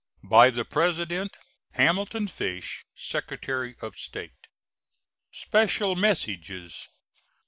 By the President: HAMILTON FISH, Secretary of State. SPECIAL MESSAGES.